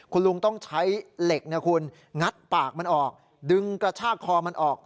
คุณลุงต้องใช้เหล็กนะคุณงัดปากมันออกดึงกระชากคอมันออก